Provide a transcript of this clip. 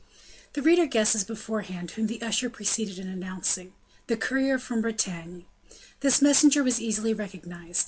The reader guesses beforehand whom the usher preceded in announcing the courier from Bretagne. This messenger was easily recognized.